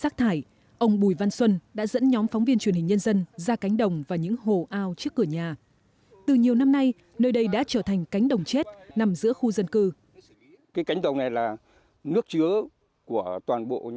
rác thải được chất thành núi cao ảnh hưởng nghiêm trọng đến đời sống của người dân